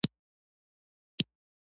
د هغوی د خولو له امله ماتیږي.